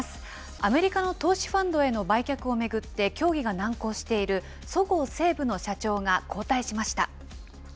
アメリカの投資ファンドへの売却を巡って協議が難航しているそごう・西武の社長が交代しました。